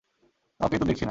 কাউকেই তো দেখছি না।